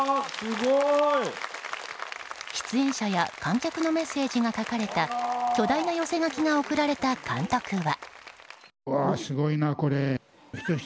出演者や観客のメッセージが書かれた巨大な寄せ書きが贈られた監督は。